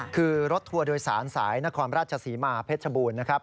คือรถทัวร์โดยสารสายนครราชศรีมาเพชรบูรณ์นะครับ